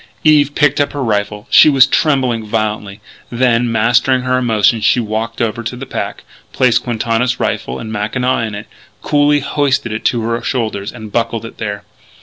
Eve picked up her rifle. She was trembling violently. Then, mastering her emotion, she walked over to the pack, placed Quintana's rifle and mackinaw in it, coolly hoisted it to her shoulders and buckled it there.